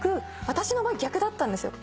私の場合逆だったんですよ。